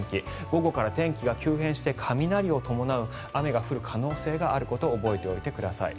午後から急変して雷を伴う雨が降る可能性があることを覚えておいてください。